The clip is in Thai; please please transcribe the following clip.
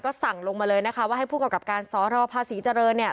สั่งลงมาเลยนะคะว่าให้ผู้กำกับการสนภาษีเจริญเนี่ย